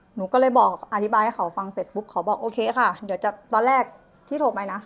หนูก็เลยบอกอธิบายให้เขาฟังเสร็จปุ๊บเขาบอกโอเคค่ะเดี๋ยวจะตอนแรกที่โทรไปนะ